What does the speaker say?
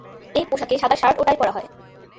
এই পোশাকে সাদা শার্ট ও টাই পরা হয়।